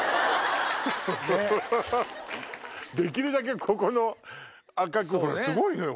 できるだけここのすごいのよ！